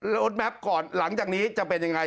โอ๊ตแม็ปก่อนหลังจากนี้จะเป็นยังไง